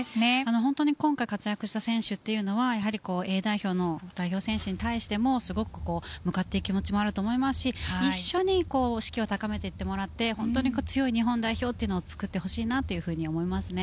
本当に今回活躍した選手はＡ代表の代表選手に対してもすごく向かっていく気持ちもありますし一緒に士気を高めて強い日本代表を作ってほしいなと思います。